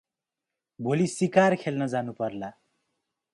भोलि सिकार खेल्न जानुपर्ला ।”